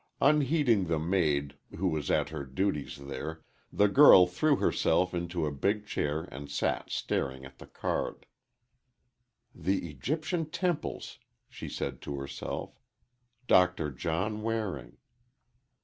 Unheeding the maid, who was at her duties there, the girl threw herself into a big chair and sat staring at the card. "The Egyptian Temples," she said to herself, "Doctor John Waring."